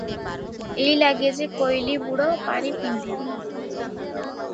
ଏଇଲାଗେ ଯେ କୋଇଲିବୁଡ଼ ପାରି ପିନ୍ଧିବ?